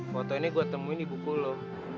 foto ini gue temuin di buku lo